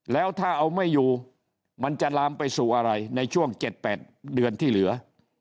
แล้วถ้าเอาไม่อยู่มันจะลามไปสู่อะไรในช่วง๗๘เดือนที่เหลือ